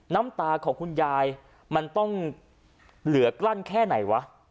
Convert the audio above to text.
น้ำตาของคุณยายมันต้องเหลือกลั้นแค่ไหนวะ